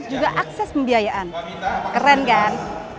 juga akses pembiayaan keren kan